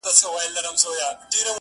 په یوه سترګک یې داسي هدف و ویشت,